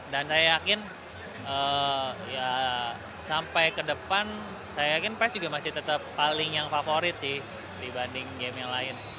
saya yakin sampai ke depan saya yakin pes juga masih tetap paling yang favorit sih dibanding game yang lain